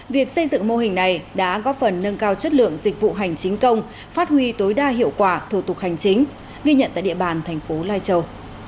việc xây dựng mô hình này đã góp phần nâng cao chất lượng dịch vụ hành chính công phát huy tối đa hiệu quả thủ tục hành chính ghi nhận tại địa bàn thành phố lai châu